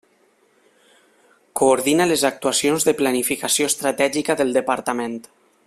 Coordina les actuacions de planificació estratègica del Departament.